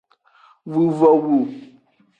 Vuvowu.